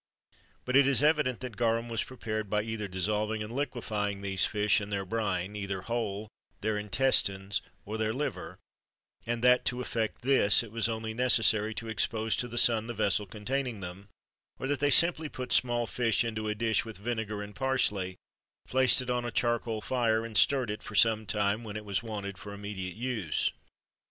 But it is evident that garum was prepared by either dissolving and liquefying these fish in their brine, either whole, their intestines, or their liver, and that, to effect this, it was only necessary to expose to the sun the vessel containing them; or that they simply put small fish into a dish, with vinegar and parsley, placed it on a charcoal fire, and stirred it for some time, when it was wanted for immediate use.